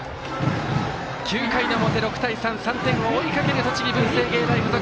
９回の表、６対３３点を追いかける栃木、文星芸大付属。